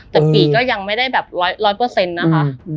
แต่ปีก็ยังไม่ได้แบบร้อยเปอร์เซ็นต์นะคะ